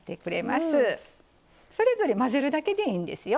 それぞれ混ぜるだけでいいんですよ。